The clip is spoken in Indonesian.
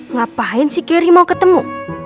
ngapain sih keri mau ketemu